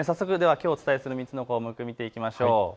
お伝えする３つの項目、見ていきましょう。